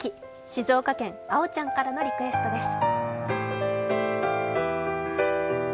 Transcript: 静岡県、あおちゃんからのリクエストです。